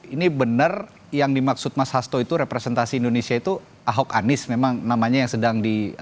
ini benar yang dimaksud mas hasto itu representasi indonesia itu ahok anies memang namanya yang sedang di